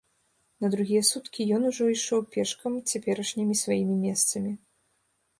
На другія суткі ён ужо ішоў пешкам цяперашнімі сваімі месцамі.